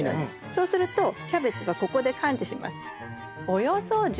そうするとキャベツがここで感知します。